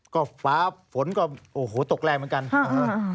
ก็ฝาฝนก็โอ้โหตกแรงเหมือนกัน